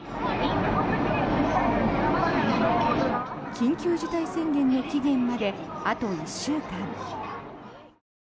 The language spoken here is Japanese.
緊急事態宣言の期限まであと１週間。